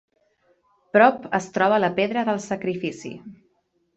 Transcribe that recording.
Prop es troba la Pedra del Sacrifici.